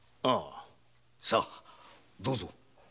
さどうぞ。